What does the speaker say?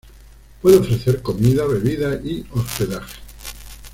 Puede ofrecer comida, bebida y hospedaje.